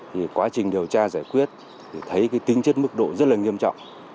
thì quá trình điều tra giải quyết thì thấy cái tính chất mức độ rất là nghiêm trọng